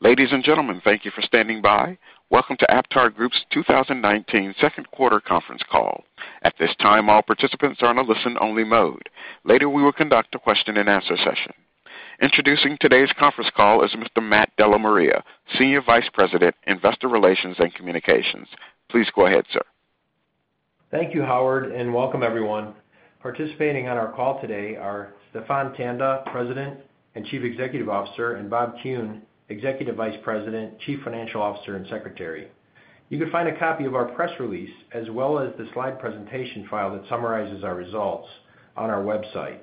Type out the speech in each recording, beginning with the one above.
Ladies and gentlemen, thank you for standing by. Welcome to AptarGroup's 2019 second quarter conference call. At this time, all participants are on a listen only mode. Later, we will conduct a question and answer session. Introducing today's conference call is Mr. Matt DellaMaria, Senior Vice President, Investor Relations and Communications. Please go ahead, sir. Thank you, Howard, and welcome everyone. Participating on our call today are Stephan Tanda, President and Chief Executive Officer, and Bob Kuhn, Executive Vice President, Chief Financial Officer, and Secretary. You can find a copy of our press release as well as the slide presentation file that summarizes our results on our website.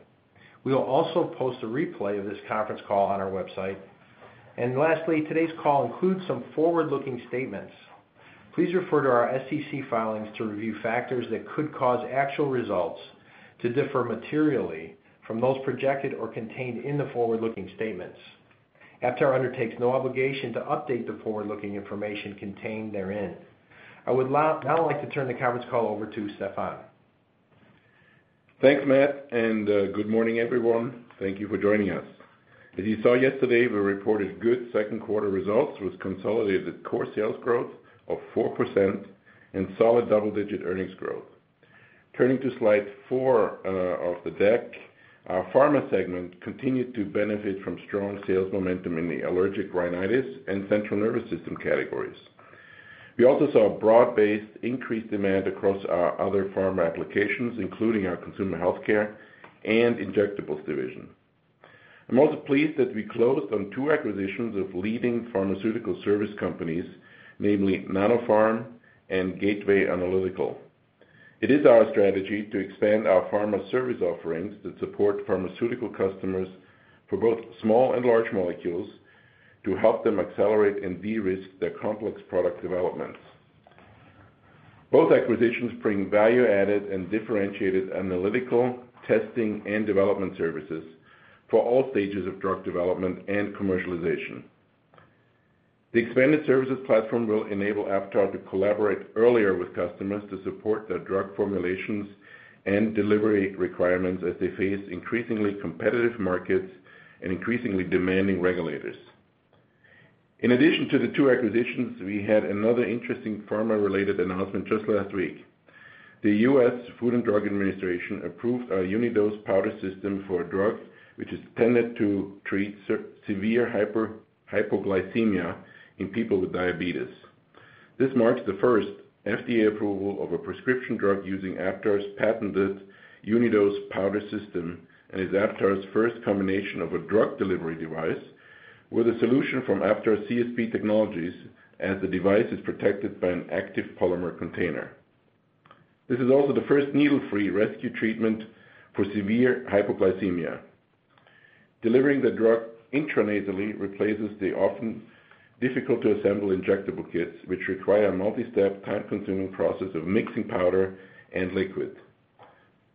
We will also post a replay of this conference call on our website. Lastly, today's call includes some forward-looking statements. Please refer to our SEC filings to review factors that could cause actual results to differ materially from those projected or contained in the forward-looking statements. Aptar undertakes no obligation to update the forward-looking information contained therein. I would now like to turn the conference call over to Stephan. Thanks, Matt, and good morning, everyone. Thank you for joining us. As you saw yesterday, we reported good second quarter results with consolidated core sales growth of 4% and solid double-digit earnings growth. Turning to slide four of the deck, our pharma segment continued to benefit from strong sales momentum in the allergic rhinitis and central nervous system categories. We also saw broad-based increased demand across our other pharma applications, including our consumer healthcare and injectables division. I am also pleased that I closed on two acquisitions of leading pharmaceutical service companies, namely Nanopharm and Gateway Analytical. It is our strategy to expand our pharma service offerings that support pharmaceutical customers for both small and large molecules to help them accelerate and de-risk their complex product developments. Both acquisitions bring value-added and differentiated analytical testing and development services for all stages of drug development and commercialization. The expanded services platform will enable Aptar to collaborate earlier with customers to support their drug formulations and delivery requirements as they face increasingly competitive markets and increasingly demanding regulators. In addition to the two acquisitions, we had another interesting pharma-related announcement just last week. The U.S. Food and Drug Administration approved our Unidose powder system for a drug, which is intended to treat severe hypoglycemia in people with diabetes. This marks the first FDA approval of a prescription drug using Aptar's patented Unidose powder system and is Aptar's first combination of a drug delivery device with a solution from Aptar CSP Technologies as the device is protected by an active polymer container. This is also the first needle-free rescue treatment for severe hypoglycemia. Delivering the drug intranasally replaces the often difficult-to-assemble injectable kits, which require a multi-step, time-consuming process of mixing powder and liquid.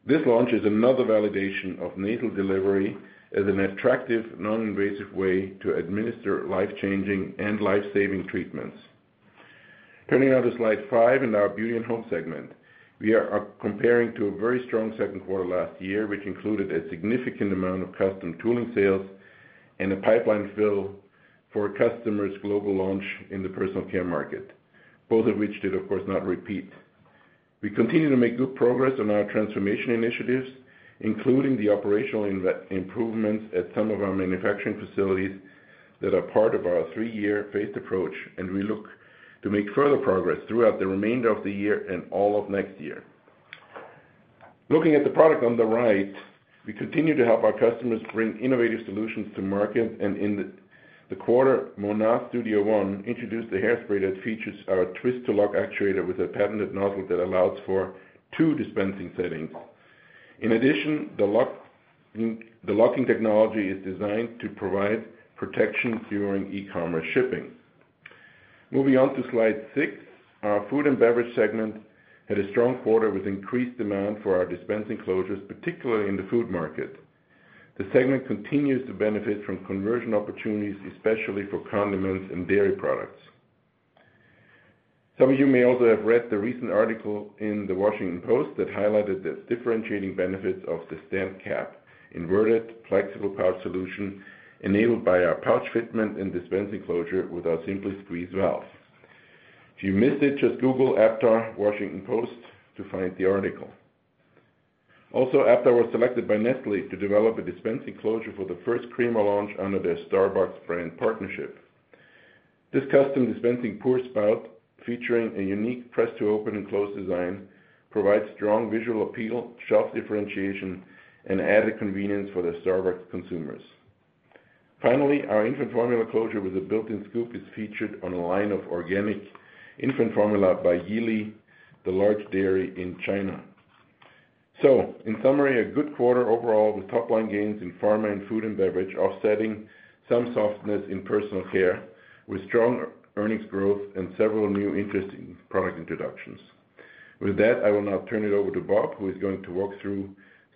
This launch is another validation of nasal delivery as an attractive, non-invasive way to administer life-changing and life-saving treatments. Turning now to slide five in our beauty and home segment. We are comparing to a very strong second quarter last year, which included a significant amount of custom tooling sales and a pipeline fill for a customer's global launch in the personal care market, both of which did, of course, not repeat. We continue to make good progress on our transformation initiatives, including the operational improvements at some of our manufacturing facilities that are part of our three-year phased approach. We look to make further progress throughout the remainder of the year and all of next year. Looking at the product on the right, we continue to help our customers bring innovative solutions to market, and in the quarter, MONAT STUDIO ONE introduced a hairspray that features our twist-to-lock actuator with a patented nozzle that allows for two dispensing settings. In addition, the locking technology is designed to provide protection during e-commerce shipping. Moving on to slide six, our food and beverage segment had a strong quarter with increased demand for our dispensing closures, particularly in the food market. The segment continues to benefit from conversion opportunities, especially for condiments and dairy products. Some of you may also have read the recent article in "The Washington Post" that highlighted the differentiating benefits of the stand cap inverted flexible pouch solution enabled by our pouch fitment and dispensing closure with our SimpliSqueeze valve. If you missed it, just Google Aptar Washington Post to find the article. Aptar was selected by Nestlé to develop a dispensing closure for the first Crema launch under their Starbucks brand partnership. This custom dispensing pour spout, featuring a unique press to open and close design, provides strong visual appeal, shelf differentiation, and added convenience for the Starbucks consumers. Our infant formula closure with a built-in scoop is featured on a line of organic infant formula by Yili, the large dairy in China. In summary, a good quarter overall with top-line gains in pharma and food and beverage offsetting some softness in personal care with strong earnings growth and several new interesting product introductions. With that, I will now turn it over to Bob, who is going to walk through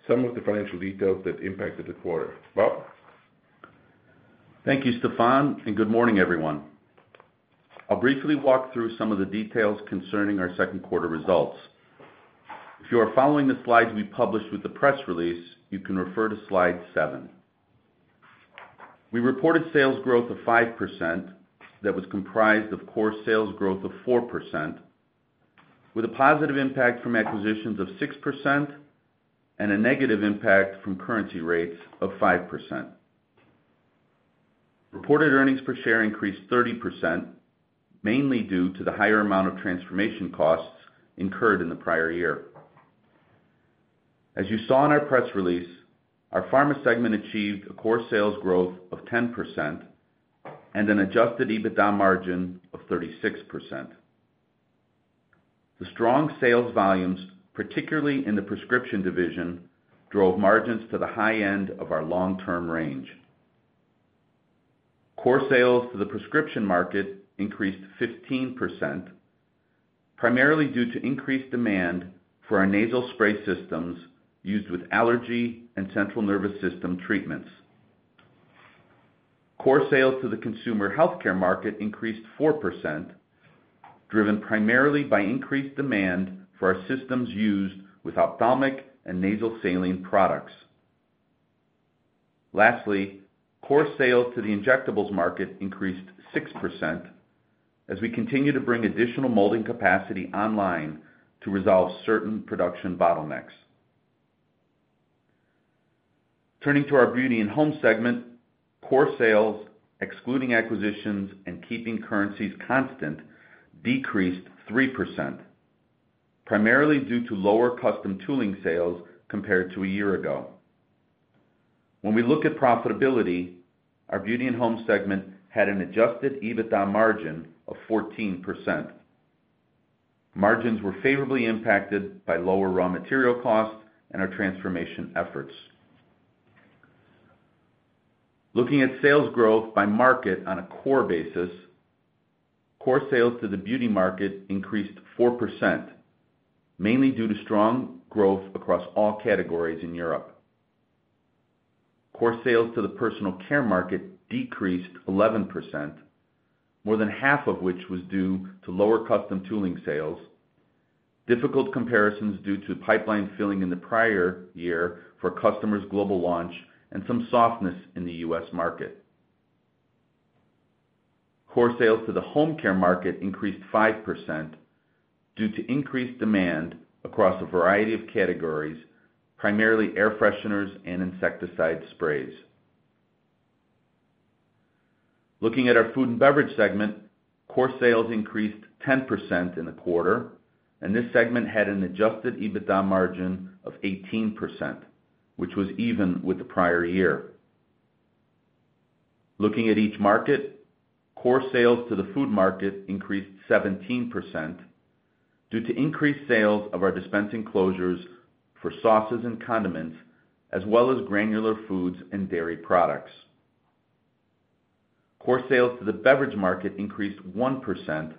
some of the financial details that impacted the quarter. Bob? Thank you, Stephan, and good morning, everyone. I'll briefly walk through some of the details concerning our second quarter results. If you are following the slides we published with the press release, you can refer to Slide seven. We reported sales growth of 5% that was comprised of core sales growth of 4%, with a positive impact from acquisitions of 6% and a negative impact from currency rates of 5%. Reported earnings per share increased 30%, mainly due to the higher amount of transformation costs incurred in the prior year. As you saw in our press release, our pharma segment achieved a core sales growth of 10% and an adjusted EBITDA margin of 36%. The strong sales volumes, particularly in the prescription division, drove margins to the high end of our long-term range. Core sales to the prescription market increased 15%, primarily due to increased demand for our nasal spray systems used with allergy and central nervous system treatments. Core sales to the consumer healthcare market increased 4%, driven primarily by increased demand for our systems used with ophthalmic and nasal saline products. Lastly, core sales to the injectables market increased 6% as we continue to bring additional molding capacity online to resolve certain production bottlenecks. Turning to our beauty and home segment, core sales, excluding acquisitions and keeping currencies constant, decreased 3%, primarily due to lower custom tooling sales compared to a year ago. When we look at profitability, our beauty and home segment had an adjusted EBITDA margin of 14%. Margins were favorably impacted by lower raw material costs and our transformation efforts. Looking at sales growth by market on a core basis, core sales to the beauty market increased 4%, mainly due to strong growth across all categories in Europe. Core sales to the personal care market decreased 11%, more than half of which was due to lower custom tooling sales, difficult comparisons due to pipeline filling in the prior year for customers' global launch, and some softness in the U.S. market. Core sales to the home care market increased 5% due to increased demand across a variety of categories, primarily air fresheners and insecticide sprays. Looking at our food and beverage segment, core sales increased 10% in the quarter, and this segment had an adjusted EBITDA margin of 18%, which was even with the prior year. Looking at each market, core sales to the food market increased 17% due to increased sales of our dispensing closures for sauces and condiments, as well as granular foods and dairy products. Core sales to the beverage market increased 1%,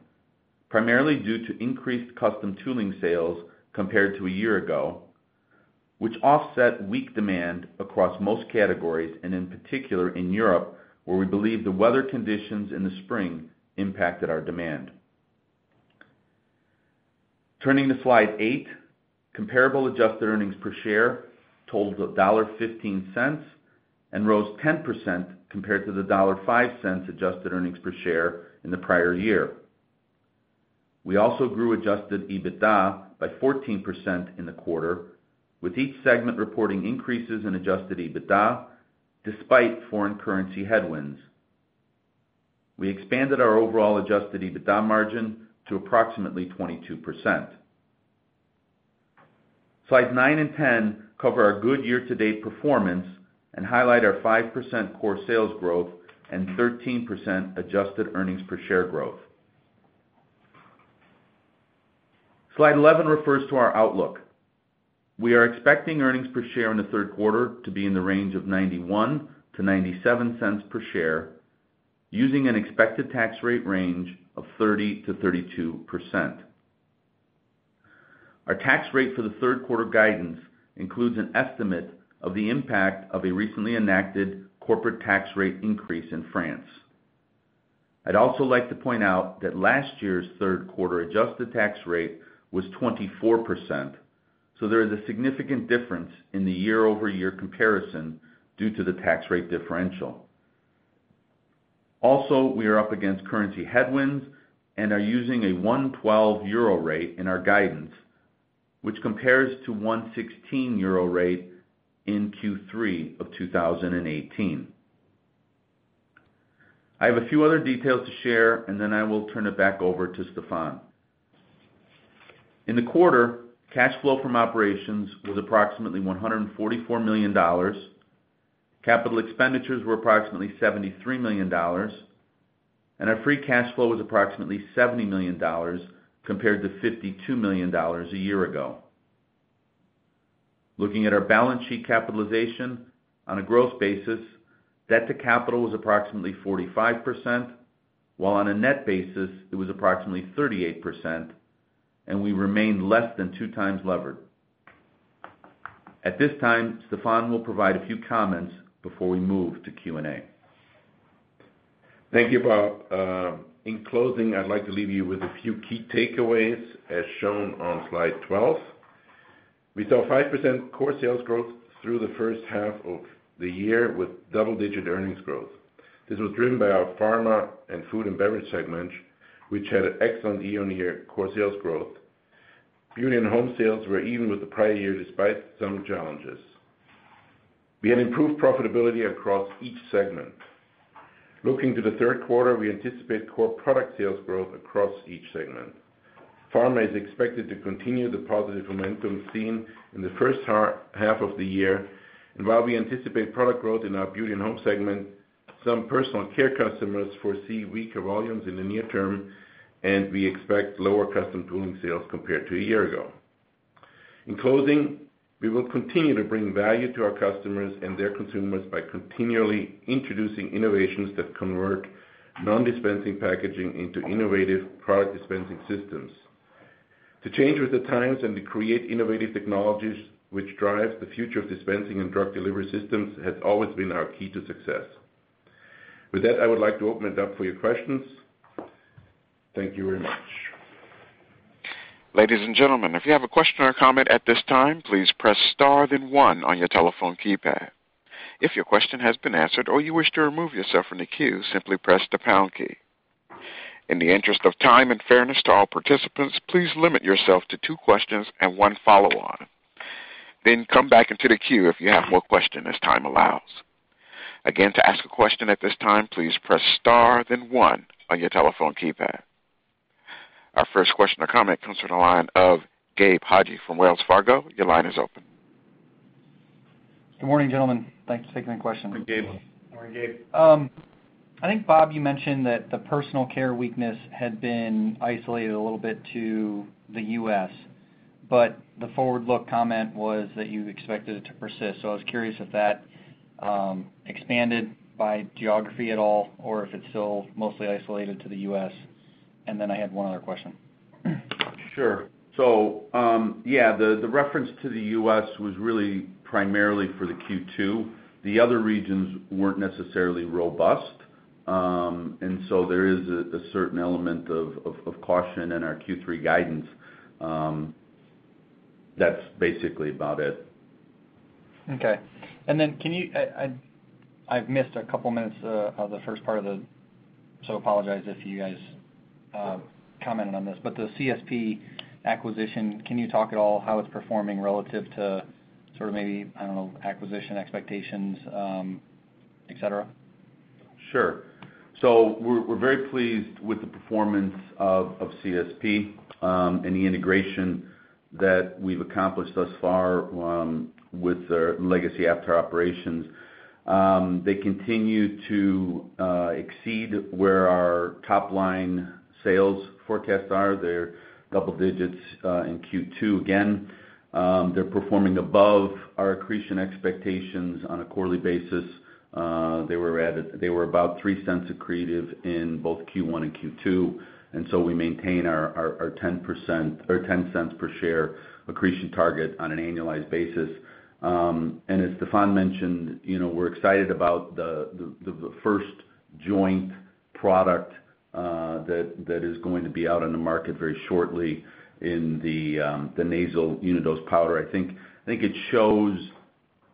primarily due to increased custom tooling sales compared to a year ago, which offset weak demand across most categories, and in particular in Europe, where we believe the weather conditions in the spring impacted our demand. Turning to Slide 8, comparable adjusted earnings per share totaled $1.15 and rose 10% compared to the $1.05 adjusted earnings per share in the prior year. We also grew adjusted EBITDA by 14% in the quarter, with each segment reporting increases in adjusted EBITDA despite foreign currency headwinds. We expanded our overall adjusted EBITDA margin to approximately 22%. Slide 10 cover our good year-to-date performance and highlight our 5% core sales growth and 13% adjusted earnings per share growth. Slide 11 refers to our outlook. We are expecting earnings per share in the third quarter to be in the range of $0.91-$0.97 per share, using an expected tax rate range of 30%-32%. Our tax rate for the third quarter guidance includes an estimate of the impact of a recently enacted corporate tax rate increase in France. I'd also like to point out that last year's third quarter adjusted tax rate was 24%. There is a significant difference in the year-over-year comparison due to the tax rate differential. We are up against currency headwinds and are using a 1.12 euro rate in our guidance, which compares to 1.16 euro rate in Q3 of 2018. I have a few other details to share, and then I will turn it back over to Stephan. In the quarter, cash flow from operations was approximately $144 million, capital expenditures were approximately $73 million, and our free cash flow was approximately $70 million compared to $52 million a year ago. Looking at our balance sheet capitalization on a gross basis, debt to capital was approximately 45%, while on a net basis, it was approximately 38%, and we remained less than 2 times levered. At this time, Stephan will provide a few comments before we move to Q&A. Thank you, Bob. In closing, I'd like to leave you with a few key takeaways, as shown on slide 12. We saw 5% core sales growth through the first half of the year with double-digit earnings growth. This was driven by our Pharma and Food and Beverage segments, which had excellent year-on-year core sales growth. Beauty and Home sales were even with the prior year despite some challenges. We had improved profitability across each segment. Looking to the third quarter, we anticipate core product sales growth across each segment. Pharma is expected to continue the positive momentum seen in the first half of the year. While we anticipate product growth in our Beauty and Home segment, some personal care customers foresee weaker volumes in the near term, and we expect lower custom tooling sales compared to a year ago. In closing, we will continue to bring value to our customers and their consumers by continually introducing innovations that convert non-dispensing packaging into innovative product dispensing systems. To change with the times and to create innovative technologies which drive the future of dispensing and drug delivery systems has always been our key to success. With that, I would like to open it up for your questions. Thank you very much. Ladies and gentlemen, if you have a question or comment at this time, please press star then one on your telephone keypad. If your question has been answered or you wish to remove yourself from the queue, simply press the pound key. In the interest of time and fairness to all participants, please limit yourself to two questions and one follow-on, then come back into the queue if you have more question as time allows. Again, to ask a question at this time, please press star then one on your telephone keypad. Our first question or comment comes from the line of Gabe Hajde from Wells Fargo. Your line is open. Good morning, gentlemen. Thank you for taking my question. Good morning, Gabe. Morning, Gabe. I think, Bob, you mentioned that the personal care weakness had been isolated a little bit to the U.S., but the forward-look comment was that you expected it to persist. I was curious if that expanded by geography at all, or if it's still mostly isolated to the U.S. I had one other question. Sure. Yeah, the reference to the U.S. was really primarily for the Q2. The other regions weren't necessarily robust. There is a certain element of caution in our Q3 guidance. That's basically about it. Okay. I've missed a couple of minutes of the first part of it, so apologize if you guys commented on this, but the CSP acquisition, can you talk at all how it's performing relative to maybe acquisition expectations, et cetera? Sure. We're very pleased with the performance of CSP and the integration that we've accomplished thus far with their legacy Aptar operations. They continue to exceed where our top-line sales forecasts are. They're double digits in Q2 again. They're performing above our accretion expectations on a quarterly basis. They were about $0.03 accretive in both Q1 and Q2, we maintain our $0.10 per share accretion target on an annualized basis. As Stephan mentioned, we're excited about the first joint product that is going to be out on the market very shortly in the nasal Unidose powder. I think it shows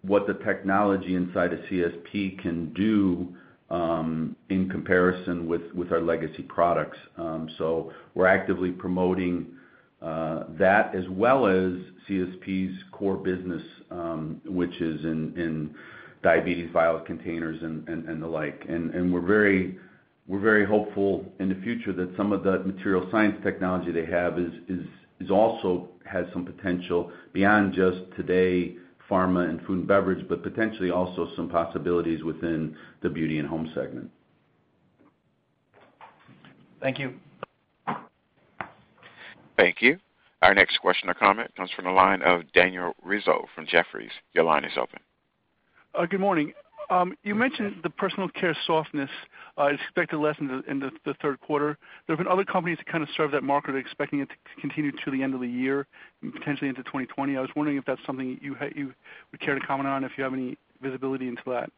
what the technology inside of CSP can do in comparison with our legacy products. We're actively promoting that as well as CSP's core business, which is in diabetes vial containers and the like. We're very hopeful in the future that some of that material science technology they have also has some potential beyond just today, pharma and food and beverage, but potentially also some possibilities within the beauty and home segment. Thank you. Thank you. Our next question or comment comes from the line of Daniel Rizzo from Jefferies. Your line is open. Good morning. You mentioned the personal care softness is expected to lessen in the third quarter. There have been other companies that kind of serve that market are expecting it to continue to the end of the year and potentially into 2020. I was wondering if that's something you would care to comment on, if you have any visibility into that.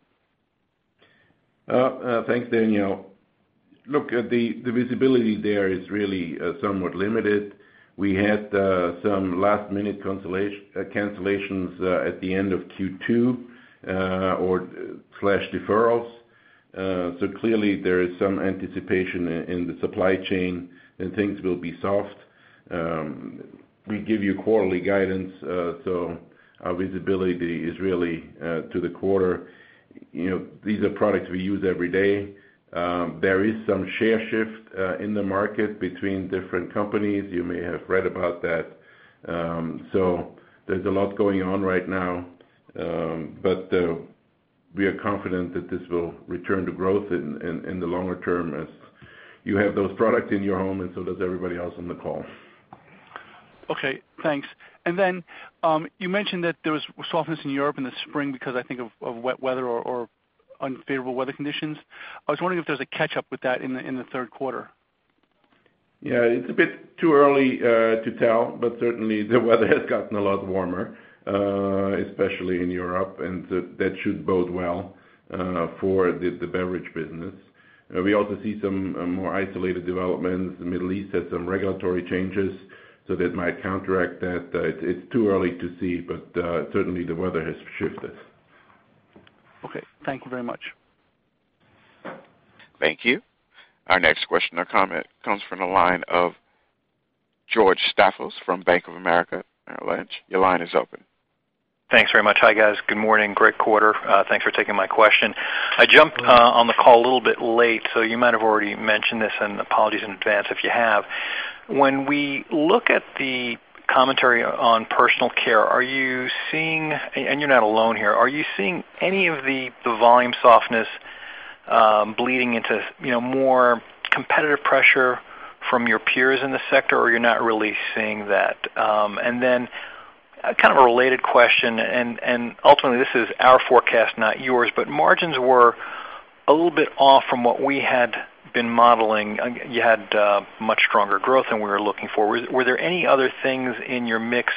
Thanks, Daniel. Look, the visibility there is really somewhat limited. We had some last-minute cancellations at the end of Q2 or slash deferrals. Clearly there is some anticipation in the supply chain that things will be soft. We give you quarterly guidance, our visibility is really to the quarter. These are products we use every day. There is some share shift in the market between different companies. You may have read about that. There's a lot going on right now, but we are confident that this will return to growth in the longer term as you have those products in your home and so does everybody else on the call. Okay, thanks. Then, you mentioned that there was softness in Europe in the spring because I think of wet weather or unfavorable weather conditions. I was wondering if there was a catch-up with that in the third quarter? Yeah, it's a bit too early to tell, but certainly the weather has gotten a lot warmer, especially in Europe, and that should bode well for the beverage business. We also see some more isolated developments. The Middle East has some regulatory changes, so that might counteract that. It's too early to see, but certainly the weather has shifted. Okay. Thank you very much. Thank you. Our next question or comment comes from the line of George Staphos from Bank of America Merrill Lynch. Your line is open. Thanks very much. Hi, guys. Good morning. Great quarter. Thanks for taking my question. I jumped on the call a little bit late, so you might have already mentioned this, and apologies in advance if you have. When we look at the commentary on personal care, and you're not alone here, are you seeing any of the volume softness bleeding into more competitive pressure from your peers in the sector, or you're not really seeing that? Then kind of a related question, and ultimately, this is our forecast, not yours, but margins were a little bit off from what we had been modeling. You had much stronger growth than we were looking for. Were there any other things in your mix,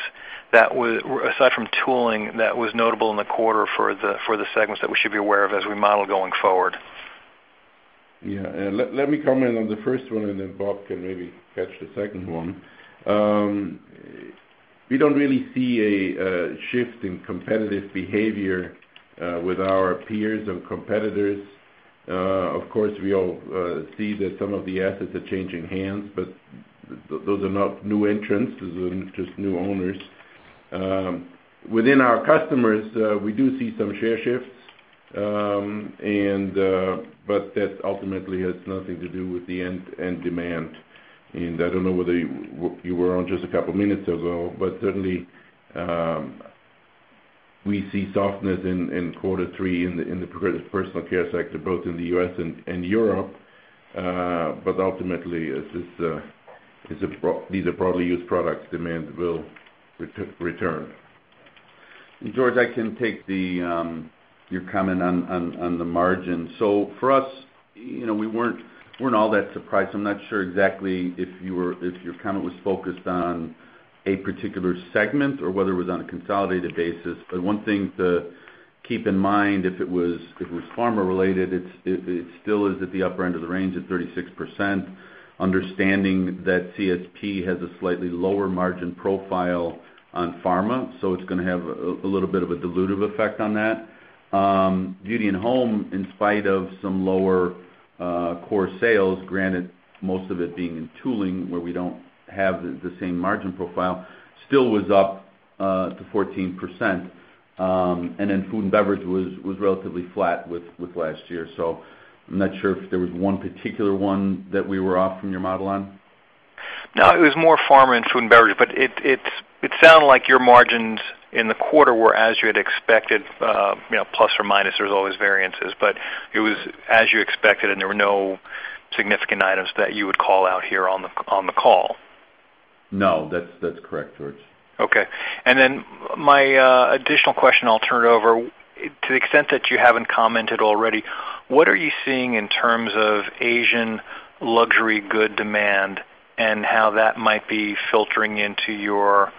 aside from tooling, that was notable in the quarter for the segments that we should be aware of as we model going forward? Yeah. Let me comment on the first one, and then Bob can maybe catch the second one. We don't really see a shift in competitive behavior with our peers or competitors. Of course, we all see that some of the assets are changing hands, but those are not new entrants, those are just new owners. Within our customers, we do see some share shifts. That ultimately has nothing to do with the end demand. I don't know whether you were on just a couple of minutes ago, but certainly, we see softness in quarter three in the personal care sector, both in the U.S. and Europe. Ultimately, these are broadly used products. Demand will return. George, I can take your comment on the margin. For us, we weren't all that surprised. I'm not sure exactly if your comment was focused on a particular segment or whether it was on a consolidated basis. One thing to keep in mind, if it was pharma related, it still is at the upper end of the range at 36%, understanding that CSP has a slightly lower margin profile on pharma, so it's going to have a little bit of a dilutive effect on that. Beauty and Home, in spite of some lower core sales, granted most of it being in tooling where we don't have the same margin profile, still was up to 14%. Food and Beverage was relatively flat with last year. I'm not sure if there was one particular one that we were off from your model on. No, it was more pharma and food and beverage, but it sounded like your margins in the quarter were as you had expected, plus or minus, there's always variances, but it was as you expected, and there were no significant items that you would call out here on the call. No, that's correct, George. Okay. My additional question, I'll turn it over. To the extent that you haven't commented already, what are you seeing in terms of Asian luxury good demand and how that might be filtering into your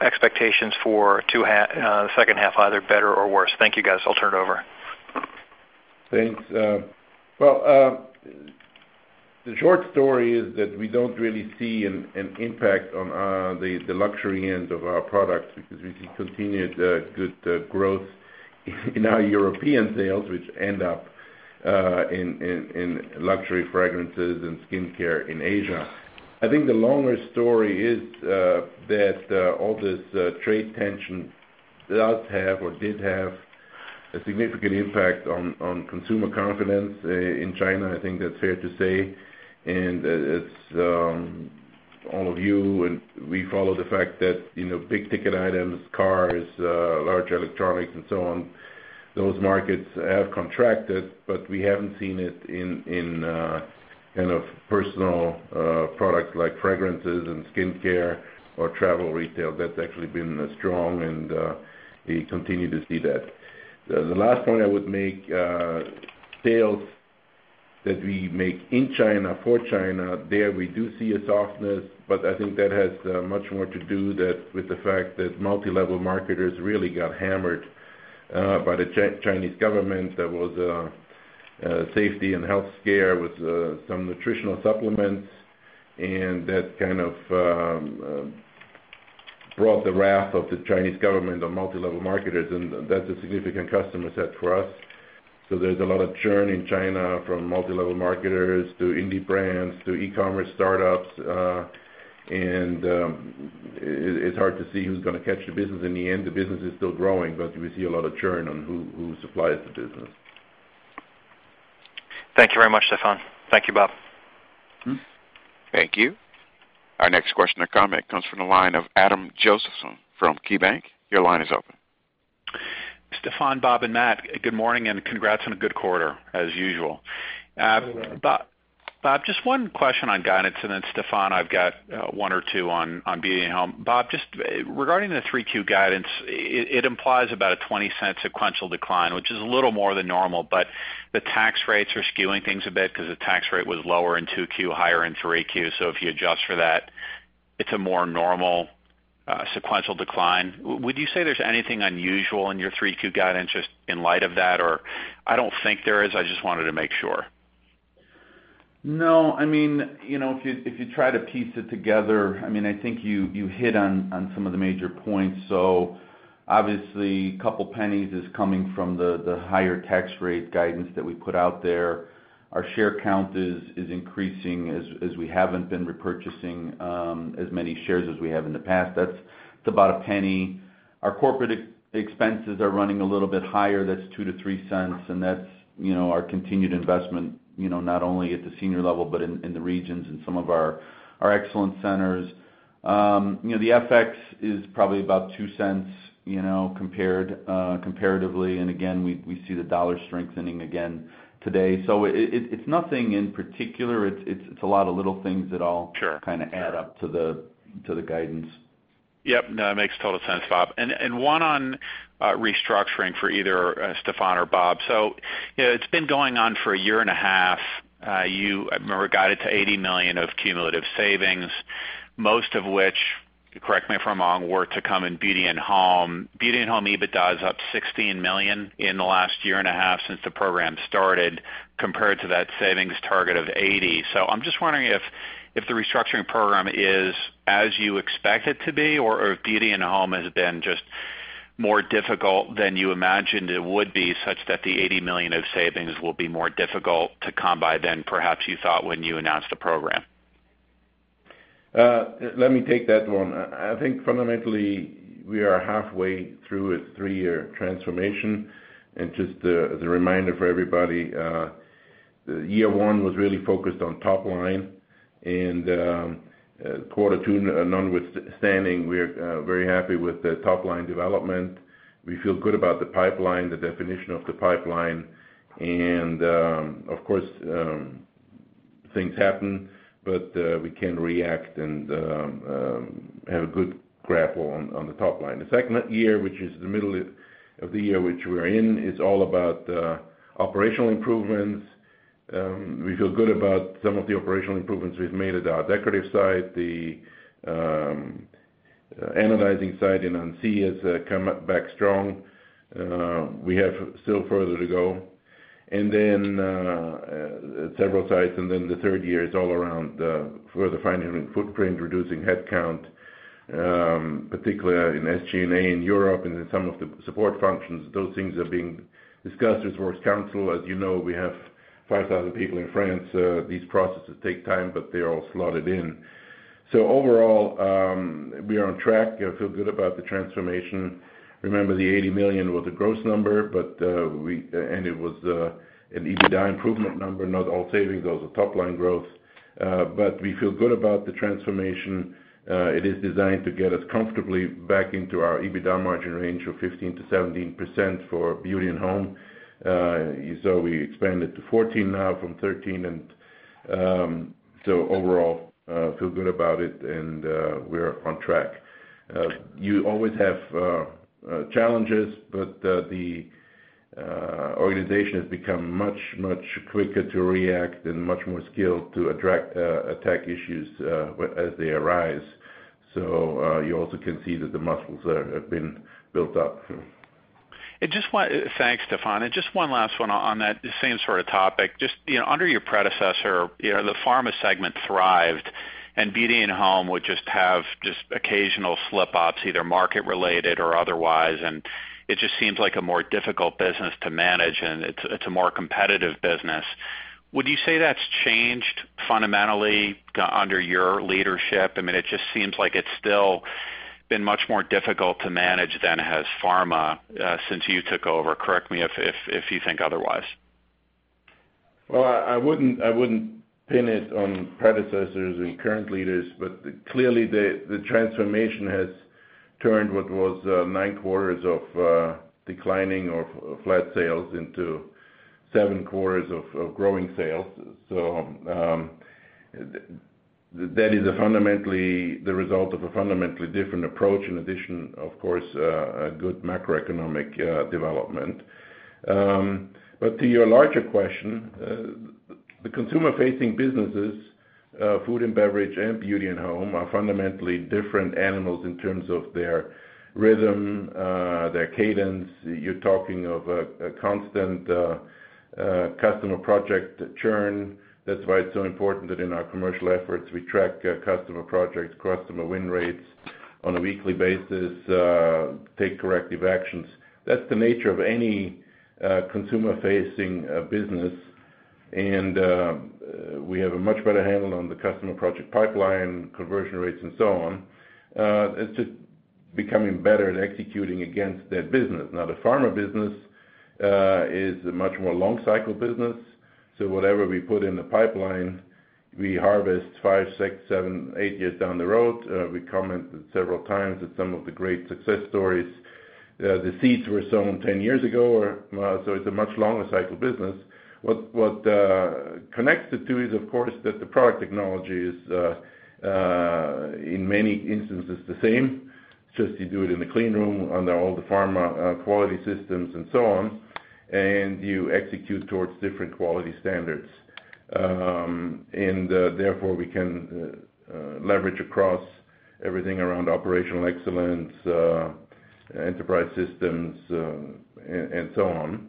expectations for the second half, either better or worse? Thank you, guys. I'll turn it over. Thanks. Well, the short story is that we don't really see an impact on the luxury end of our products because we see continued good growth in our European sales, which end up in luxury fragrances and skincare in Asia. I think the longer story is that all this trade tension does have or did have a significant impact on consumer confidence in China. I think that's fair to say. As all of you, and we follow the fact that big-ticket items, cars, large electronics, and so on, those markets have contracted, but we haven't seen it in personal products like fragrances and skincare or travel retail. That's actually been strong, and we continue to see that. The last point I would make, sales that we make in China for China, there we do see a softness, but I think that has much more to do with the fact that multi-level marketers really got hammered by the Chinese government. There was a safety and health scare with some nutritional supplements, and that kind of brought the wrath of the Chinese government on multi-level marketers, and that's a significant customer set for us. There's a lot of churn in China from multi-level marketers to indie brands to e-commerce startups. It's hard to see who's going to catch the business. In the end, the business is still growing, but we see a lot of churn on who supplies the business. Thank you very much, Stephan. Thank you, Bob. Thank you. Our next question or comment comes from the line of Adam Josephson from KeyBanc. Your line is open. Stephan, Bob, and Matt, good morning, and congrats on a good quarter as usual. Thank you. Bob, just one question on guidance, and then Stephan, I've got one or two on Beauty and Home. Bob, just regarding the 3Q guidance, it implies about a $0.20 sequential decline, which is a little more than normal, but the tax rates are skewing things a bit because the tax rate was lower in 2Q, higher in 3Q. If you adjust for that, it's a more normal sequential decline. Would you say there's anything unusual in your 3Q guidance just in light of that? Or I don't think there is, I just wanted to make sure. No. If you try to piece it together, I think you hit on some of the major points. Obviously, $0.02 is coming from the higher tax rate guidance that we put out there. Our share count is increasing as we haven't been repurchasing as many shares as we have in the past. That's about $0.01. Our corporate expenses are running a little bit higher, that's $0.02-$0.03, and that's our continued investment not only at the senior level but in the regions and some of our excellence centers. The FX is probably about $0.02 comparatively. Again, we see the dollar strengthening again today. It's nothing in particular. It's a lot of little things that all- Sure kind of add up to the guidance. Yep. No, it makes total sense, Bob. One on restructuring for either Stephan or Bob. It's been going on for a year and a half. You, I remember, guided to $80 million of cumulative savings, most of which, correct me if I'm wrong, were to come in Beauty & Home. Beauty & Home EBITDA is up $16 million in the last year and a half since the program started, compared to that savings target of $80 million. I'm just wondering if the restructuring program is as you expect it to be, or if Beauty & Home has been just more difficult than you imagined it would be, such that the $80 million of savings will be more difficult to come by than perhaps you thought when you announced the program. Let me take that one. I think fundamentally, we are halfway through a three-year transformation. Just as a reminder for everybody, year one was really focused on top line. Quarter two notwithstanding, we're very happy with the top-line development. We feel good about the pipeline, the definition of the pipeline. Of course, things happen, but we can react and have a good grapple on the top line. The second year, which is the middle of the year which we're in, is all about operational improvements. We feel good about some of the operational improvements we've made at our decorative site. The anodizing side in Annecy has come back strong. We have still further to go. Several sites, then the third year is all around further fine-tuning footprint, reducing headcount, particularly in SG&A in Europe and in some of the support functions. Those things are being discussed with works council. As you know, we have 5,000 people in France. These processes take time, they're all slotted in. Overall, we are on track. I feel good about the transformation. Remember, the $80 million was a gross number, and it was an EBITDA improvement number, not all savings. Those are top-line growth. We feel good about the transformation. It is designed to get us comfortably back into our EBITDA margin range of 15%-17% for Beauty & Home. We expanded to 14% now from 13%, overall, feel good about it and we're on track. You always have challenges, the organization has become much quicker to react and much more skilled to attack issues as they arise. You also can see that the muscles have been built up. Thanks, Stephan. Just one last one on that same sort of topic. Just under your predecessor, the pharma segment thrived, and Beauty & Home would just have just occasional slip-ups, either market related or otherwise, and it just seems like a more difficult business to manage, and it's a more competitive business. Would you say that's changed fundamentally under your leadership? It just seems like it's still been much more difficult to manage than has pharma since you took over. Correct me if you think otherwise. Well, I wouldn't pin it on predecessors and current leaders, but clearly the transformation has turned what was 9 quarters of declining or flat sales into 7 quarters of growing sales. That is the result of a fundamentally different approach, in addition, of course, a good macroeconomic development. To your larger question, the consumer-facing businesses, Food & Beverage and Beauty & Home, are fundamentally different animals in terms of their rhythm, their cadence. You're talking of a constant customer project churn. That's why it's so important that in our commercial efforts, we track customer projects, customer win rates on a weekly basis, take corrective actions. That's the nature of any consumer-facing business, and we have a much better handle on the customer project pipeline, conversion rates, and so on. It's just becoming better at executing against that business. Now, the pharma business is a much more long-cycle business. Whatever we put in the pipeline, we harvest five, six, seven, eight years down the road. We commented several times that some of the great success stories, the seeds were sown 10 years ago. It's a much longer cycle business. What connects the two is, of course, that the product technology is, in many instances, the same, just you do it in the clean room under all the pharma quality systems and so on, and you execute towards different quality standards. Therefore, we can leverage across everything around operational excellence, enterprise systems, and so on,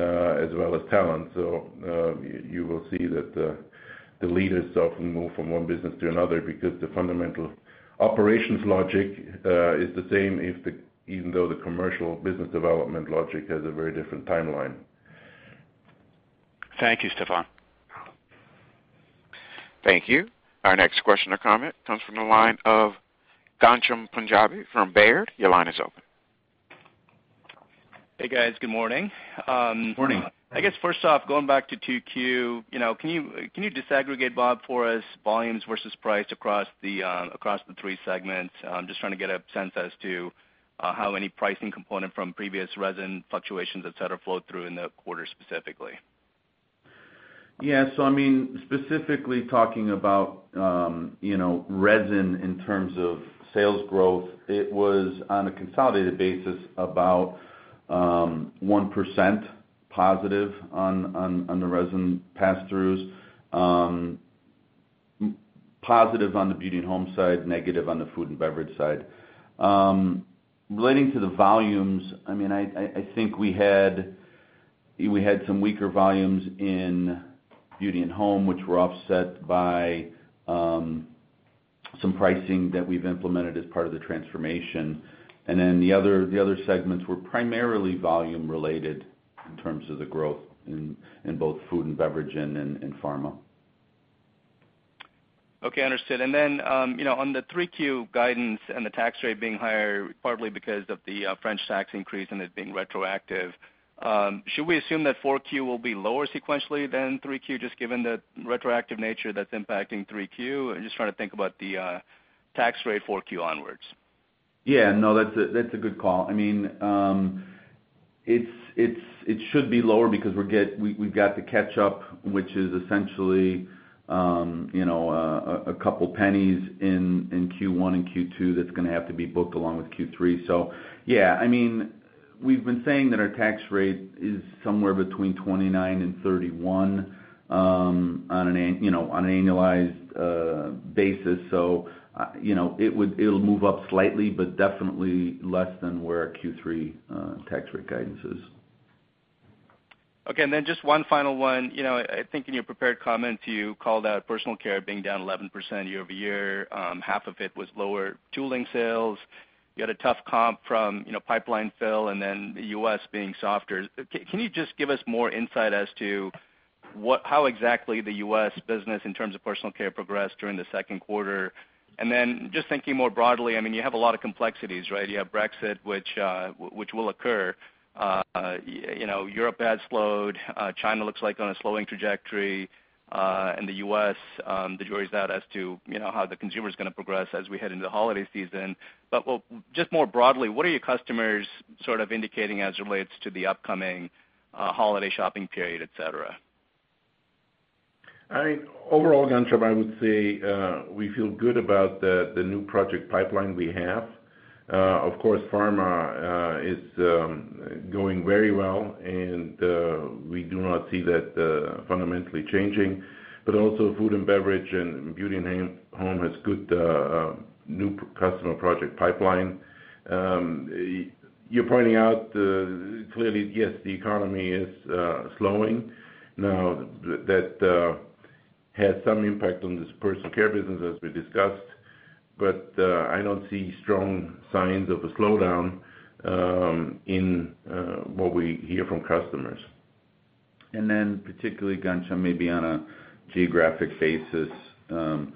as well as talent. You will see that the leaders often move from one business to another because the fundamental operations logic is the same even though the commercial business development logic has a very different timeline. Thank you, Stephan. Thank you. Our next question or comment comes from the line of Ghansham Panjabi from Baird. Your line is open. Hey, guys. Good morning. Morning. I guess first off, going back to 2Q, can you disaggregate, Bob, for us, volumes versus price across the three segments? I'm just trying to get a sense as to how any pricing component from previous resin fluctuations, et cetera, flowed through in the quarter specifically. Yeah. Specifically talking about resin in terms of sales growth, it was on a consolidated basis about 1% positive on the resin pass-throughs. Positive on the beauty and home side, negative on the food and beverage side. Relating to the volumes, I think we had some weaker volumes in beauty and home, which were offset by some pricing that we've implemented as part of the transformation. The other segments were primarily volume related in terms of the growth in both food and beverage and in pharma. Okay, understood. On the 3Q guidance and the tax rate being higher, partly because of the French tax increase and it being retroactive, should we assume that 4Q will be lower sequentially than 3Q, just given the retroactive nature that's impacting 3Q? I'm just trying to think about the tax rate 4Q onwards. Yeah, no, that's a good call. It should be lower because we've got the catch-up, which is essentially, a couple of pennies in Q1 and Q2 that's going to have to be booked along with Q3. Yeah, we've been saying that our tax rate is somewhere between 29 and 31 on an annualized basis. It'll move up slightly, but definitely less than where our Q3 tax rate guidance is. Okay. Just one final one. I think in your prepared comments, you called out personal care being down 11% year-over-year. Half of it was lower tooling sales. You had a tough comp from pipeline fill and then U.S. being softer. Can you just give us more insight as to how exactly the U.S. business, in terms of personal care progressed during the second quarter? Just thinking more broadly, you have a lot of complexities, right? You have Brexit, which will occur. Europe has slowed. China looks like on a slowing trajectory. In the U.S., the jury's out as to how the consumer's going to progress as we head into the holiday season. Just more broadly, what are your customers sort of indicating as it relates to the upcoming holiday shopping period, et cetera? Overall, Ghansham, I would say, we feel good about the new project pipeline we have. Of course, pharma is going very well, and we do not see that fundamentally changing. Also food and beverage and beauty and home has good new customer project pipeline. You're pointing out clearly, yes, the economy is slowing. Now, that had some impact on this personal care business as we discussed, but, I don't see strong signs of a slowdown in what we hear from customers. Particularly, Ghansham, maybe on a geographic basis, and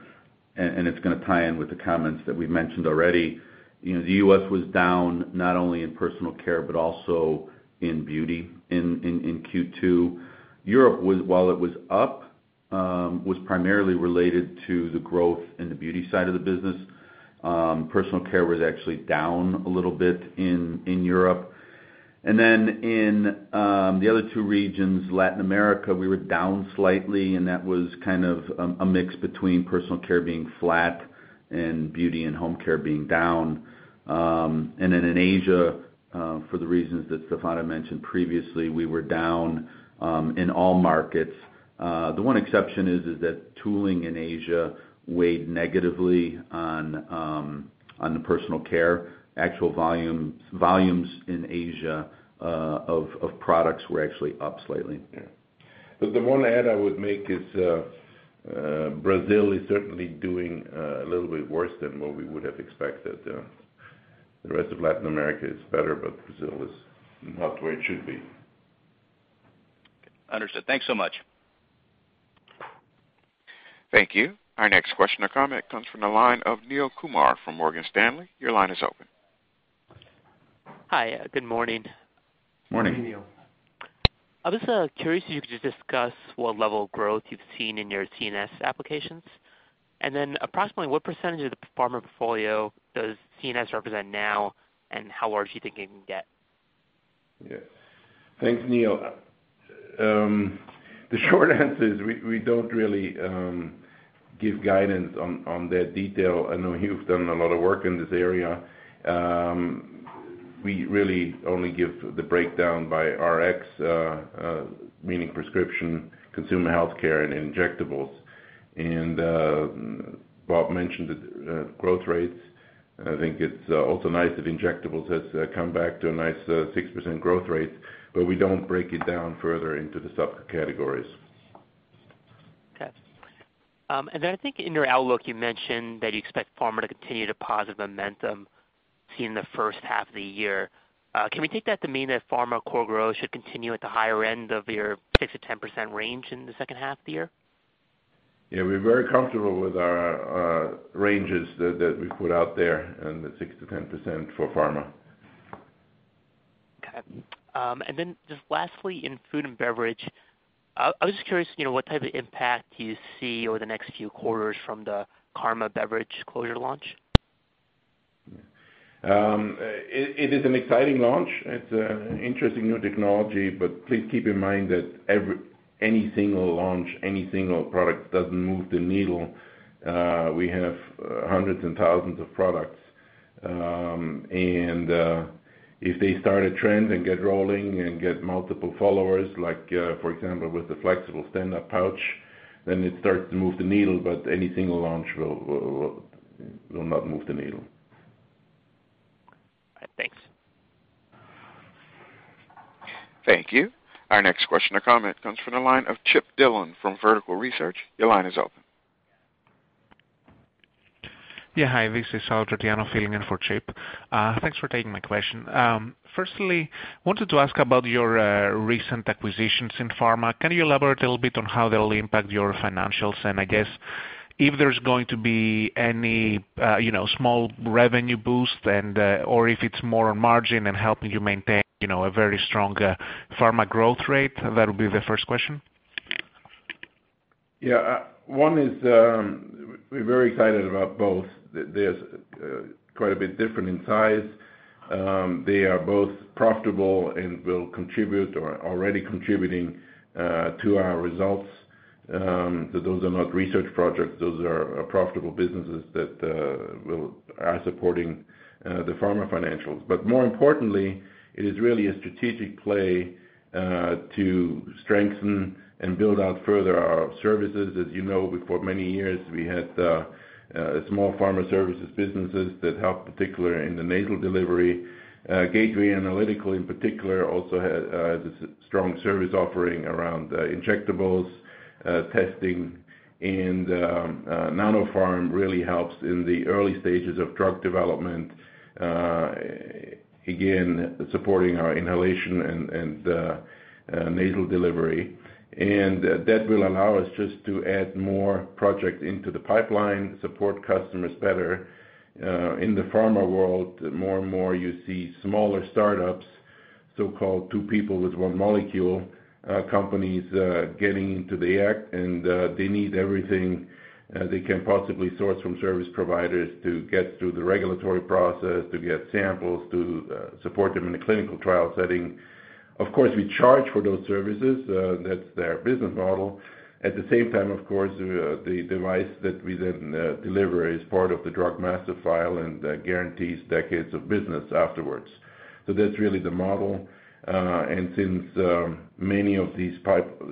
it's going to tie in with the comments that we've mentioned already. The U.S. was down not only in personal care, but also in beauty in Q2. Europe, while it was up, was primarily related to the growth in the beauty side of the business. Personal care was actually down a little bit in Europe. In the other two regions, Latin America, we were down slightly, and that was kind of a mix between personal care being flat and beauty and home care being down. In Asia, for the reasons that Stephan had mentioned previously, we were down in all markets. The one exception is that tooling in Asia weighed negatively on the personal care. Actual volumes in Asia of products were actually up slightly. Yeah. The one add I would make is Brazil is certainly doing a little bit worse than what we would have expected. The rest of Latin America is better, but Brazil is not where it should be. Understood. Thanks so much. Thank you. Our next question or comment comes from the line of Neel Kumar from Morgan Stanley. Your line is open. Hi. Good morning. Morning. Morning, Neel. I was curious if you could just discuss what level of growth you've seen in your CNS applications. Approximately what percentage of the pharma portfolio does CNS represent now, and how large are you thinking it can get? Yeah. Thanks, Neel. The short answer is we don't really give guidance on that detail. I know you've done a lot of work in this area. We really only give the breakdown by Rx, meaning prescription, consumer healthcare, and injectables. Bob mentioned the growth rates. I think it's also nice that injectables has come back to a nice 6% growth rate. We don't break it down further into the subcategories. Okay. I think in your outlook, you mentioned that you expect pharma to continue the positive momentum seen in the first half of the year. Can we take that to mean that pharma core growth should continue at the higher end of your 6% to 10% range in the second half of the year? Yeah, we're very comfortable with our ranges that we put out there, and that's 6%-10% for pharma. Okay. Then just lastly, in food and beverage, I was just curious what type of impact do you see over the next few quarters from the Karma beverage closure launch? It is an exciting launch. It's an interesting new technology, please keep in mind that any single launch, any single product doesn't move the needle. We have hundreds and thousands of products. If they start a trend and get rolling and get multiple followers, like, for example, with the flexible standup pouch, it starts to move the needle. Any single launch will not move the needle. All right. Thanks. Thank you. Our next question or comment comes from the line of Chip Dillon from Vertical Research. Your line is open. Yeah, hi, this is Salvatore Tiano filling in for Chip. Thanks for taking my question. Firstly, wanted to ask about your recent acquisitions in pharma. Can you elaborate a little bit on how they'll impact your financials? I guess if there's going to be any small revenue boost or if it's more on margin and helping you maintain a very strong pharma growth rate? That'll be the first question. Yeah. We're very excited about both. They're quite a bit different in size. They are both profitable and will contribute or are already contributing to our results. Those are not research projects. Those are profitable businesses that are supporting the pharma financials. More importantly, it is really a strategic play to strengthen and build out further our services. As you know, for many years we had small pharma services businesses that helped particularly in the nasal delivery. Gateway Analytical in particular also has a strong service offering around injectables testing. Nanopharm really helps in the early stages of drug development, again, supporting our inhalation and nasal delivery. That will allow us just to add more project into the pipeline, support customers better. In the pharma world, more and more you see smaller startups, so-called two people with one molecule companies getting into the act. They need everything they can possibly source from service providers to get through the regulatory process, to get samples, to support them in a clinical trial setting. Of course, we charge for those services. That's their business model. At the same time, of course, the device that we then deliver is part of the Drug Master File and guarantees decades of business afterwards. That's really the model. Since many of these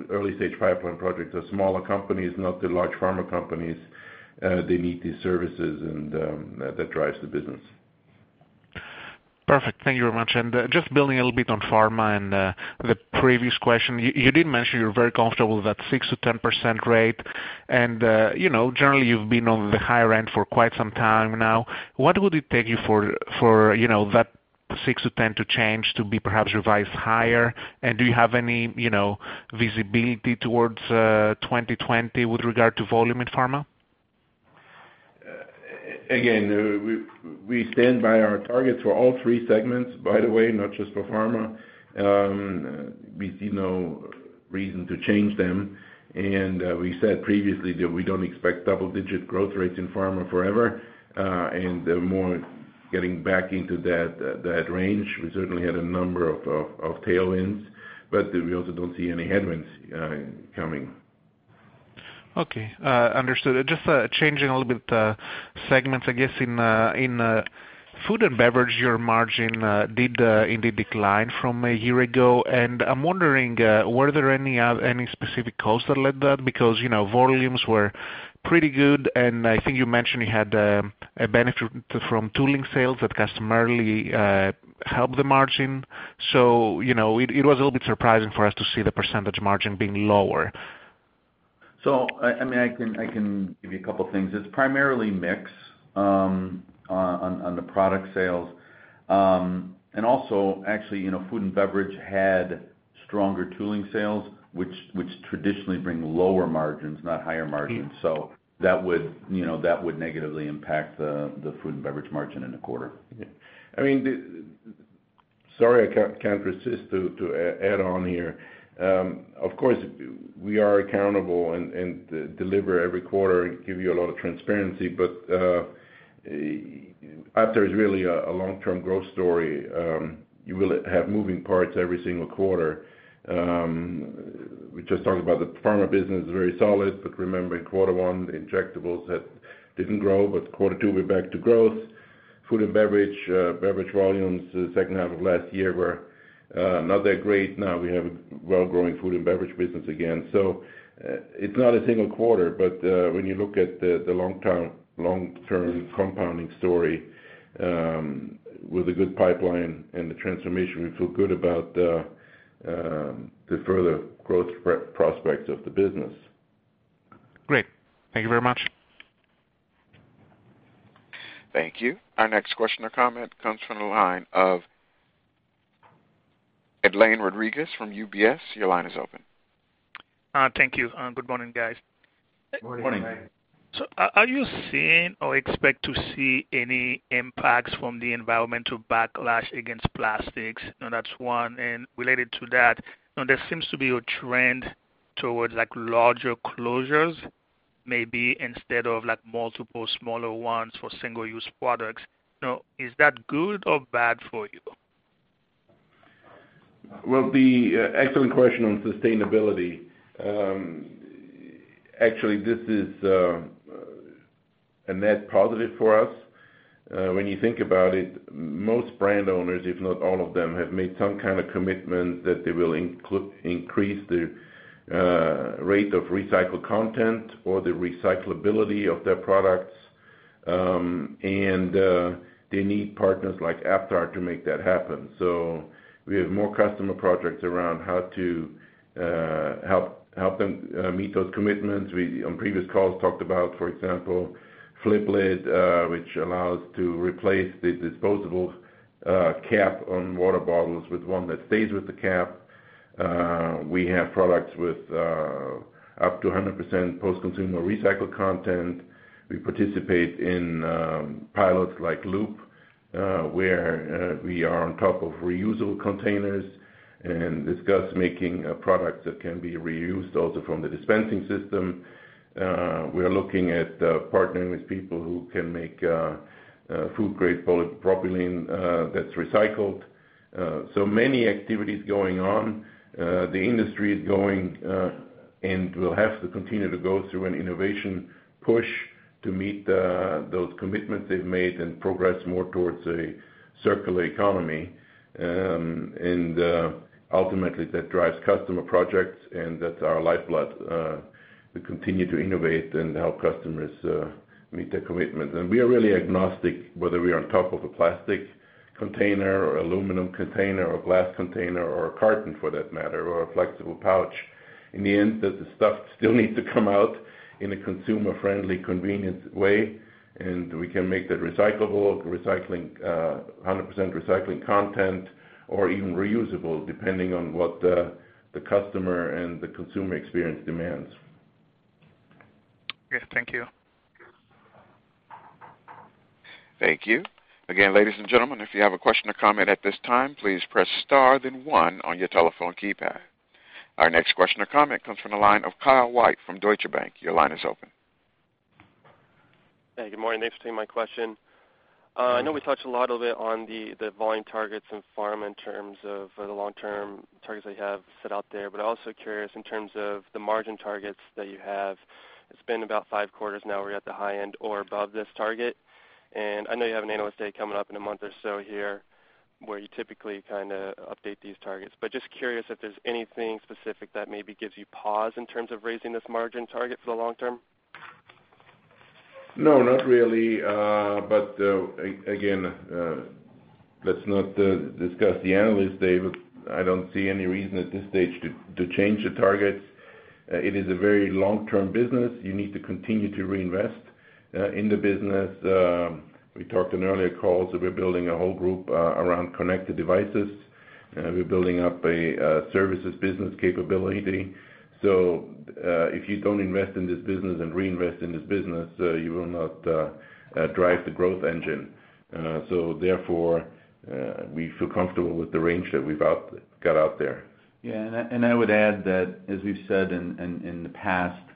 early-stage pipeline projects are smaller companies, not the large pharma companies, they need these services, and that drives the business. Perfect. Thank you very much. Just building a little bit on pharma and the previous question, you did mention you're very comfortable with that 6%-10% rate. Generally, you've been on the higher end for quite some time now. What would it take you for that 6%-10% to change to be perhaps revised higher? Do you have any visibility towards 2020 with regard to volume in pharma? Again, we stand by our targets for all three segments, by the way, not just for pharma. We see no reason to change them. We said previously that we don't expect double-digit growth rates in pharma forever, and more getting back into that range. We certainly had a number of tailwinds, but we also don't see any headwinds coming. Okay. Understood. Just changing a little bit segments, I guess in food and beverage, your margin did indeed decline from a year ago. I'm wondering, were there any specific costs that led that? Volumes were pretty good, and I think you mentioned you had a benefit from tooling sales that customarily help the margin. It was a little bit surprising for us to see the percentage margin being lower. I can give you a couple of things. It's primarily mix on the product sales. Actually, food and beverage had stronger tooling sales, which traditionally bring lower margins, not higher margins. That would negatively impact the food and beverage margin in the quarter. Sorry, I can't resist to add on here. Of course, we are accountable and deliver every quarter and give you a lot of transparency. Aptar is really a long-term growth story. You will have moving parts every single quarter. We just talked about the pharma business, very solid, remember in quarter one, injectables didn't grow, quarter two, we're back to growth. Food and beverage volumes the second half of last year were not that great. We have a well-growing food and beverage business again. It's not a single quarter, when you look at the long-term compounding story with a good pipeline and the transformation, we feel good about the further growth prospects of the business. Great. Thank you very much. Thank you. Our next question or comment comes from the line of Edlain Rodriguez from UBS. Your line is open. Thank you, and good morning, guys. Morning. Morning. Are you seeing or expect to see any impacts from the environmental backlash against plastics? That's one. Related to that, there seems to be a trend towards larger closures, maybe instead of multiple smaller ones for single-use products. Is that good or bad for you? Well, the excellent question on sustainability. Actually, this is a net positive for us. When you think about it, most brand owners, if not all of them, have made some kind of commitment that they will increase the rate of recycled content or the recyclability of their products. They need partners like Aptar to make that happen. We have more customer projects around how to help them meet those commitments. We, on previous calls, talked about, for example, Flip-Lid, which allows to replace the disposable cap on water bottles with one that stays with the cap. We have products with up to 100% post-consumer recycled content. We participate in pilots like Loop, where we are on top of reusable containers and discuss making a product that can be reused also from the dispensing system. We are looking at partnering with people who can make food-grade polypropylene that's recycled. Many activities going on. The industry is going, and will have to continue to go through an innovation push to meet those commitments they've made and progress more towards a circular economy. Ultimately, that drives customer projects, and that's our lifeblood, to continue to innovate and help customers meet their commitments. We are really agnostic whether we are on top of a plastic container or aluminum container or glass container or a carton for that matter, or a flexible pouch. In the end, the stuff still needs to come out in a consumer-friendly, convenient way, and we can make that recyclable, 100% recycling content or even reusable, depending on what the customer and the consumer experience demands. Yes, thank you. Thank you. Ladies and gentlemen, if you have a question or comment at this time, please press star, then one on your telephone keypad. Our next question or comment comes from the line of Kyle White from Deutsche Bank. Your line is open. Yeah, good morning. Thanks for taking my question. I know we touched a lot a bit on the volume targets in pharma in terms of the long-term targets that you have set out there, but also curious in terms of the margin targets that you have. It's been about five quarters now we're at the high end or above this target, and I know you have an Analyst Day coming up in a month or so here, where you typically update these targets. Just curious if there's anything specific that maybe gives you pause in terms of raising this margin target for the long term. No, not really. Again, let's not discuss the Analyst Day, but I don't see any reason at this stage to change the targets. It is a very long-term business. You need to continue to reinvest in the business. We talked in earlier calls that we're building a whole group around connected devices. We're building up a services business capability. If you don't invest in this business and reinvest in this business, you will not drive the growth engine. Therefore, we feel comfortable with the range that we've got out there. I would add that, as we've said in the past,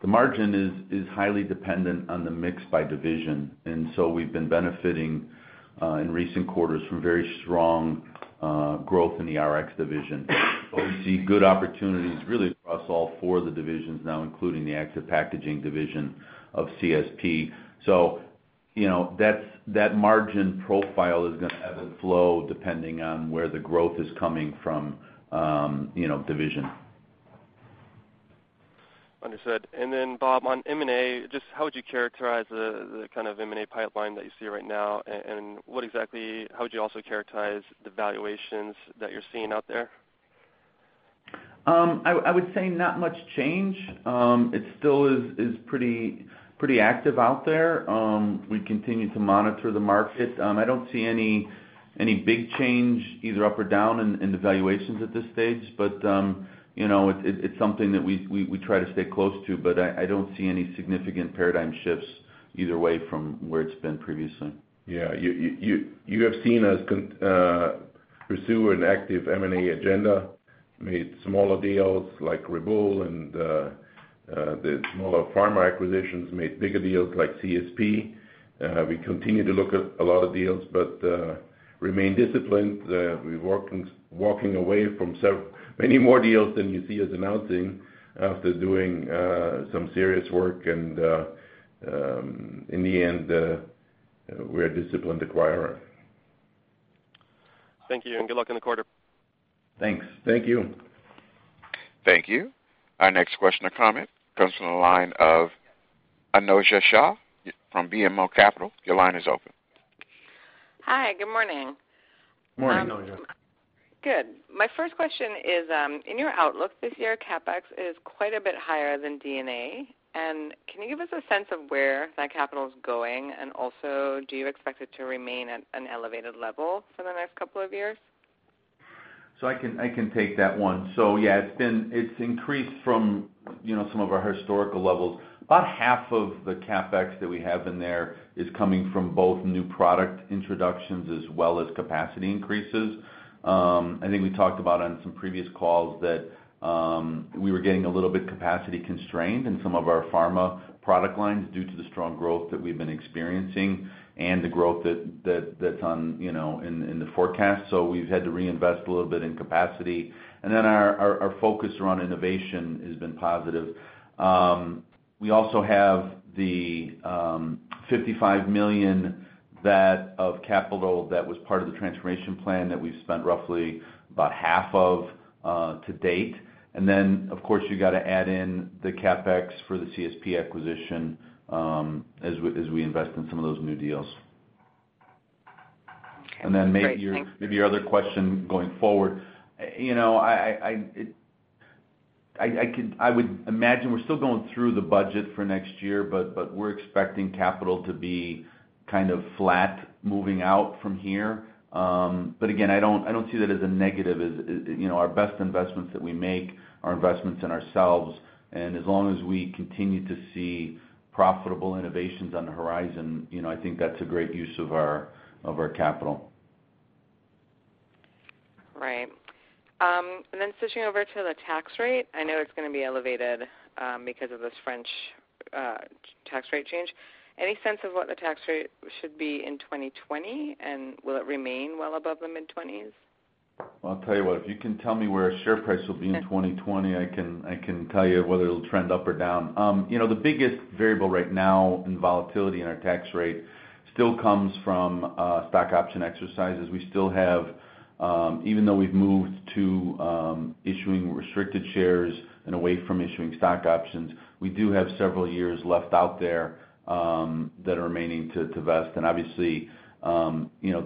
the margin is highly dependent on the mix by division. We've been benefiting in recent quarters from very strong growth in the Rx division. We see good opportunities really across all four of the divisions now, including the Active Packaging division of CSP. That margin profile is going to ebb and flow depending on where the growth is coming from division. Understood. Bob, on M&A, just how would you characterize the kind of M&A pipeline that you see right now? How would you also characterize the valuations that you're seeing out there? I would say not much change. It still is pretty active out there. We continue to monitor the market. I don't see any big change, either up or down in the valuations at this stage. It's something that we try to stay close to, but I don't see any significant paradigm shifts either way from where it's been previously. Yeah. You have seen us pursue an active M&A agenda. Made smaller deals like Reboul and the smaller pharma acquisitions. Made bigger deals like CSP. We continue to look at a lot of deals, remain disciplined. We're walking away from so many more deals than you see us announcing after doing some serious work, in the end, we're a disciplined acquirer. Thank you, and good luck in the quarter. Thanks. Thank you. Thank you. Our next question or comment comes from the line of Anojja Shah from BMO Capital. Your line is open. Hi, good morning. Morning, Anojja. Good. My first question is, in your outlook this year, CapEx is quite a bit higher than D&A. Can you give us a sense of where that capital is going? Also, do you expect it to remain at an elevated level for the next couple of years? I can take that one. Yeah, it's increased from some of our historical levels. About half of the CapEx that we have in there is coming from both new product introductions as well as capacity increases. I think we talked about on some previous calls that we were getting a little bit capacity constrained in some of our pharma product lines due to the strong growth that we've been experiencing and the growth that's in the forecast. We've had to reinvest a little bit in capacity. Our focus around innovation has been positive. We also have the $55 million of capital that was part of the transformation plan that we've spent roughly about half of to date. Of course, you got to add in the CapEx for the CSP acquisition, as we invest in some of those new deals. Okay, great. Thank you. Maybe your other question going forward. I would imagine we're still going through the budget for next year, but we're expecting CapEx to be kind of flat moving out from here. Again, I don't see that as a negative. Our best investments that we make are investments in ourselves, and as long as we continue to see profitable innovations on the horizon, I think that's a great use of our capital. Right. Switching over to the tax rate, I know it's going to be elevated, because of this French tax rate change. Any sense of what the tax rate should be in 2020? Will it remain well above the mid-twenties? Well, I'll tell you what, if you can tell me where our share price will be in 2020, I can tell you whether it'll trend up or down. The biggest variable right now in volatility in our tax rate still comes from stock option exercises. Even though we've moved to issuing restricted shares and away from issuing stock options, we do have several years left out there that are remaining to vest. Obviously,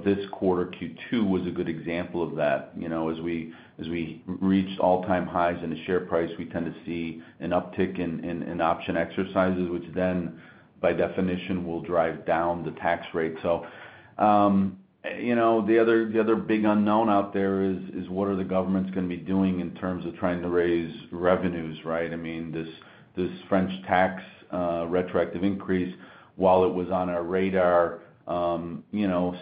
this quarter, Q2, was a good example of that. As we reached all-time highs in the share price, we tend to see an uptick in option exercises, which then by definition, will drive down the tax rate. The other big unknown out there is what are the governments going to be doing in terms of trying to raise revenues, right? This French tax retroactive increase, while it was on our radar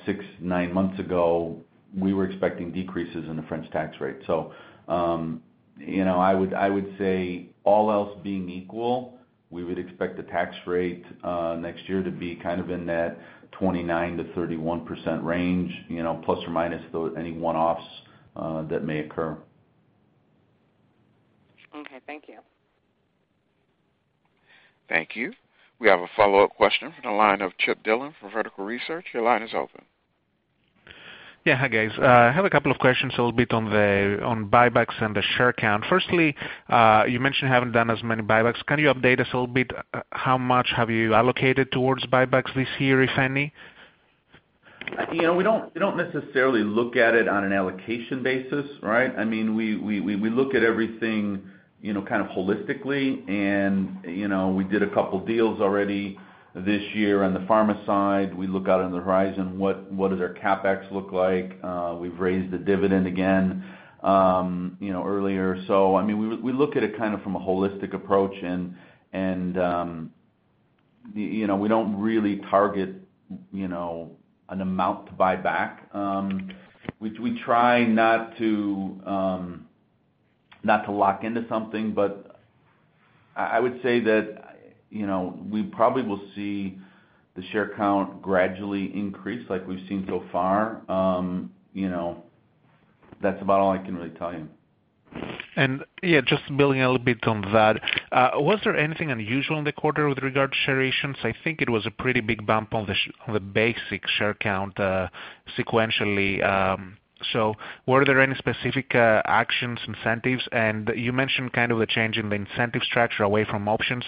six, nine months ago, we were expecting decreases in the French tax rate. I would say all else being equal, we would expect the tax rate next year to be kind of in that 29%-31% range, plus or minus any one-offs that may occur. Okay, thank you. Thank you. We have a follow-up question from the line of Chip Dillon from Vertical Research. Your line is open. Yeah. Hi, guys. I have a couple of questions a little bit on buybacks and the share count. Firstly, you mentioned having done as many buybacks. Can you update us a little bit how much have you allocated towards buybacks this year, if any? We don't necessarily look at it on an allocation basis, right? We look at everything holistically and we did a couple deals already this year on the pharma side. We look out on the horizon, what does our CapEx look like? We've raised the dividend again earlier. We look at it from a holistic approach, and we don't really target an amount to buy back. We try not to lock into something, I would say that we probably will see the share count gradually increase like we've seen so far. That's about all I can really tell you. Yeah, just building a little bit on that. Was there anything unusual in the quarter with regard to share issuance? I think it was a pretty big bump on the basic share count sequentially. Were there any specific actions, incentives? You mentioned kind of a change in the incentive structure away from options.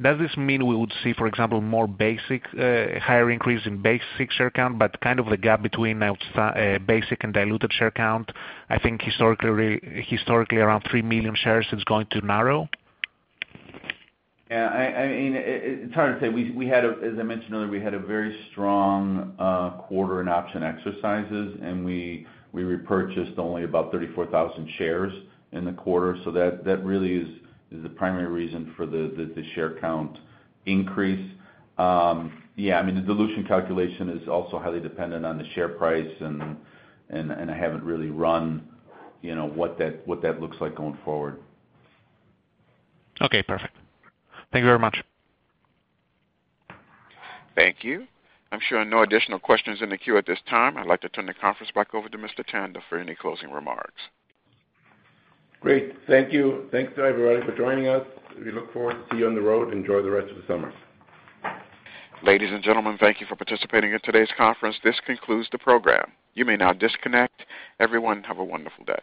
Does this mean we would see, for example, more higher increase in basic share count, but kind of the gap between basic and diluted share count, I think historically around three million shares, is going to narrow? Yeah. It's hard to say. As I mentioned earlier, we had a very strong quarter in option exercises, and we repurchased only about 34,000 shares in the quarter. That really is the primary reason for the share count increase. Yeah, the dilution calculation is also highly dependent on the share price, and I haven't really run what that looks like going forward. Okay, perfect. Thank you very much. Thank you. I'm showing no additional questions in the queue at this time. I'd like to turn the conference back over to Mr. Tanda for any closing remarks. Great. Thank you. Thanks, everybody, for joining us. We look forward to see you on the road. Enjoy the rest of the summer. Ladies and gentlemen, thank you for participating in today's conference. This concludes the program. You may now disconnect. Everyone, have a wonderful day.